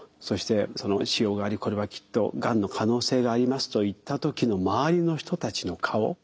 そしてその腫瘍がありこれはきっとがんの可能性がありますといった時の周りの人たちの顔。